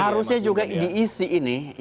harusnya juga diisi ini